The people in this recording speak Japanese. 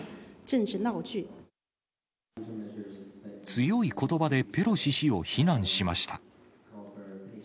強いことばでペロシ氏を非難しました。